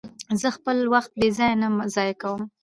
زه خپل وخت بې ځایه نه ضایع کوم.